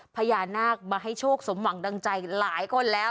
พญานาคมาให้โชคสมหวังดังใจหลายคนแล้ว